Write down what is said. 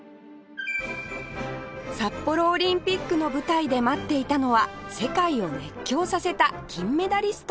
札幌オリンピックの舞台で待っていたのは世界を熱狂させた金メダリスト